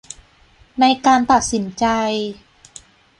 ในการตัดสินใจ